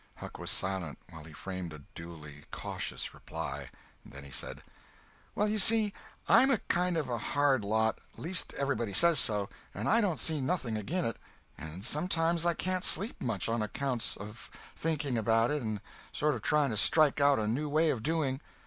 Huck was silent while he framed a duly cautious reply. Then he said: "Well, you see, I'm a kind of a hard lot,—least everybody says so, and I don't see nothing agin it—and sometimes I can't sleep much, on account of thinking about it and sort of trying to strike out a new way of doing.